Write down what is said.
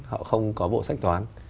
họ không có bộ sách toán